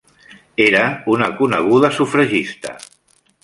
Era una coneguda sufragista.